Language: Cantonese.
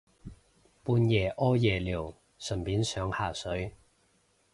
半夜屙夜尿順便上下水